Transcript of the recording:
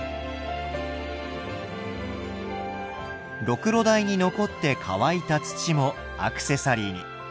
ろくろ台に残って乾いた土もアクセサリーに。